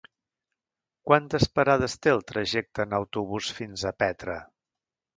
Quantes parades té el trajecte en autobús fins a Petra?